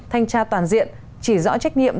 thanh tra toàn diện chỉ rõ trách nhiệm